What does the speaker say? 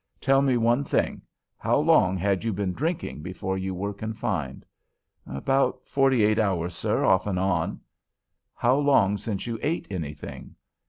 Tell me one thing: how long had you been drinking before you were confined?" "About forty eight hours, sir, off and on." "How long since you ate anything?"